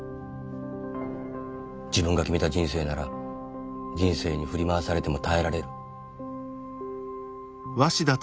自分が決めた人生なら人生に振り回されても耐えられる。